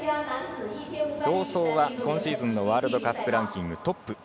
同走は今シーズンのワールドカップランキングトップ